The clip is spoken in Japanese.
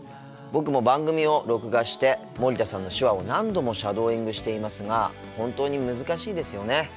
僕も番組を録画して森田さんの手話を何度もシャドーイングしていますが本当に難しいですよね。